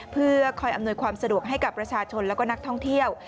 เพื่อคอยอำนวยความสะดวกให้กับประชาชนและก็นักท่องเที่ยว